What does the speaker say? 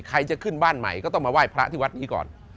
ใครจะขึ้นบ้านใหม่ก็ต้องมาไหว้พระที่วัดนี้ก่อน